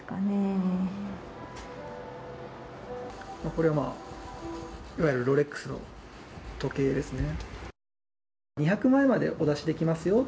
これはいわゆるロレックスの時計ですね。